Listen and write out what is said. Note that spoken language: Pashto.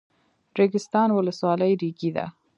ریګستان ولسوالۍ ریګي ده؟